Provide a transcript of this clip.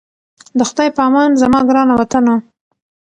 د خدای په امان زما ګرانه وطنه😞